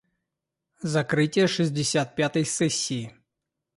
Закрытие шестьдесят пятой сессии.